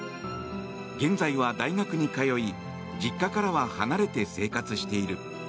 現在は大学に通い実家からは離れて生活している。